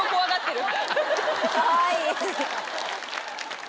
かわいい。